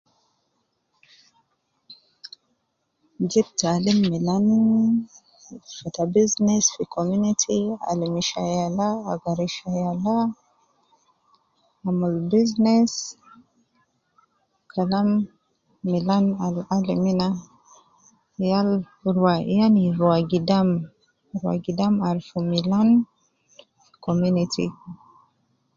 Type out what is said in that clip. Jib taalim milan fi fata business fi community al mushayana ab rishayana amul business Kalam milan al alim ina yal gi rua yani rua gidam rua gidam aruf milan fi community